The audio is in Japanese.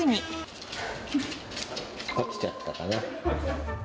飽きちゃったかな。